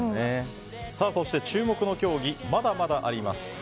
そして注目の競技まだまだあります。